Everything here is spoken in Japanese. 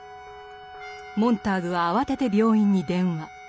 モンターグは慌てて病院に電話。